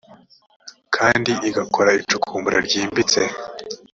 kandi igakora icukumbura ryimbitse